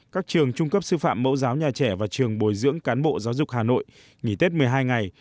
các trường trung cấp sư phạm mẫu giáo nhà trẻ và trường bồi dưỡng cán bộ giáo dục hà nội nghỉ tết một mươi hai ngày